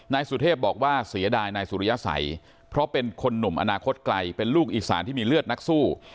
นายสุเทพบอกว่าเสียดายนายสุริยสัยเพราะเป็นคนหนุ่มอนาคตไกลเป็นลูกอีสานที่มีเลือดนักสู้